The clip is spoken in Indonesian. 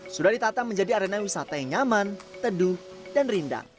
sudah ditata menjadi arena wisata yang nyaman teduh dan rindang